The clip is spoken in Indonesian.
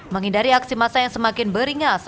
menghindari aksi massa yang semakin beringas